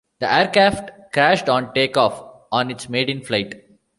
The aircraft crashed on takeoff on its maiden flight.